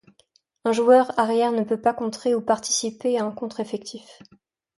Un joueur arrière ne peut pas contrer ou participer à un contre effectif.